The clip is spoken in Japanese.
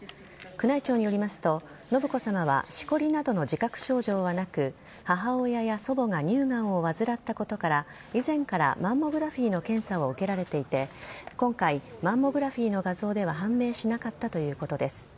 宮内庁によりますと、信子さまはしこりなどの自覚症状はなく母親や祖母が乳がんを患ったことから以前からマンモグラフィーの検査を受けられていて今回、マンモグラフィーの画像では判明しなかったということです。